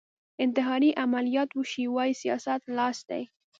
انتحاري عملیات وشي وايي سیاست لاس دی